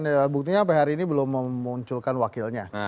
dan buktinya sampai hari ini belum memunculkan wakilnya